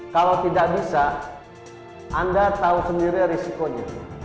kalau tidak bisa anda tahu sendiri risikonya